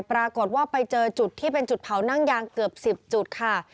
ปรากฏว่าไปเจอจุดที่เป็นจุดเผานั่งยางเกือบ๑๐จุดค่ะ